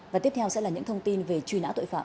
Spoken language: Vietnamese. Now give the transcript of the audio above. và tiếp theo sẽ là những thông tin về truy nã tội phạm